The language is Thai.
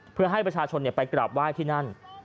เพื่อให้ประชาชนไปกราบไหว้ที่นั่น